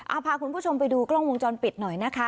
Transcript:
เอาพาคุณผู้ชมไปดูกล้องวงจรปิดหน่อยนะคะ